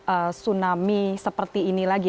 tsunami seperti ini lagi